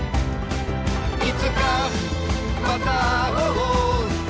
「いつかまた会おう」